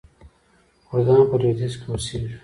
کردان په لویدیځ کې اوسیږي.